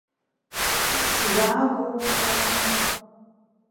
Исзаагом схаҟны.